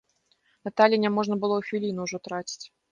Наталі няможна было і хвіліны ўжо траціць.